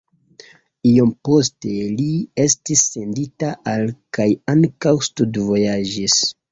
Iom poste li estis sendita al kaj ankaŭ studvojaĝis.